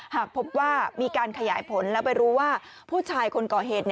หากพบว่ามีการขยายผลแล้วไปรู้ว่าผู้ชายคนก่อเหตุ